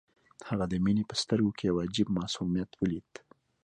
هغه د مينې په سترګو کې يو عجيب معصوميت وليد.